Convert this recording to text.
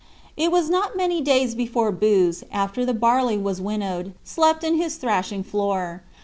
3. It was not many days before Booz, after the barley was winnowed, slept in his thrashing floor.